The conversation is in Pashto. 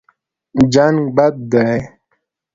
جنګ بد دی.